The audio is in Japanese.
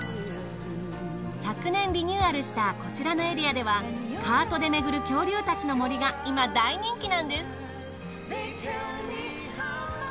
昨年リニューアルしたこちらのエリアではカートで巡る恐竜たちの森が今大人気なんです。